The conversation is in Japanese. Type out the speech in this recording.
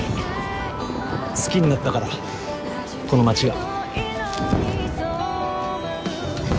好きになったからこの街が。